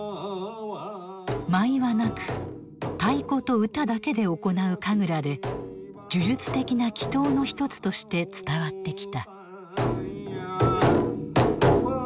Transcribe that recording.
舞はなく太鼓と歌だけで行う神楽で呪術的な祈とうの一つとして伝わってきた。